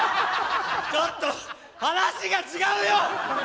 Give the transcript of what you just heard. ちょっと話が違うよ！